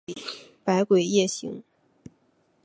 百鬼夜行。